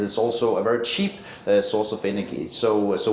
adalah bahwa ini juga sumber energi yang sangat murah